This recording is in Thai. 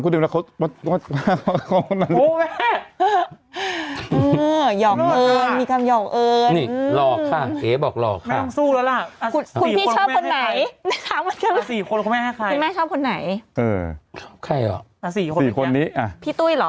นี่มีชิ้นด้วย